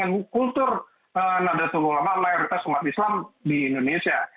karena itu sudah dekat dengan kultur nadatul ulama lairitas umat islam di indonesia